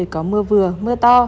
có mưa vừa mưa to